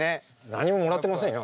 何ももらってませんよ